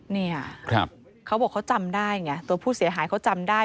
เนี่ยเขาบอกเขาจำได้ไงตัวผู้เสียหายเขาจำได้